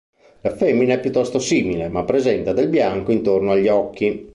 La femmina è piuttosto simile, ma presenta del bianco intorno agli occhi.